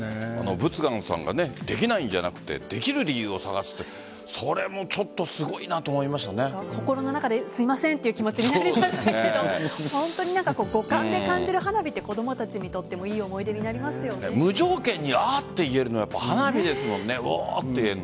佛願さんができないんじゃなくてできる理由を探すってそれも心の中ですいませんという気持ちになりましたけど本当に五感で感じる花火って子供たちにとっても無条件にあーっと言えるのは花火ですもんね。